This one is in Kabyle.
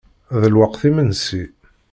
D lweqt imensi.